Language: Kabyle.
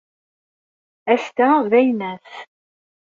Ass-a d aynas.